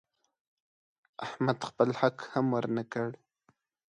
احمد خپل حق هم ونه ورکړ.